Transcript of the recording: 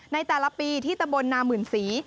ในแต่ละปีที่ตะบลนามื่นศรี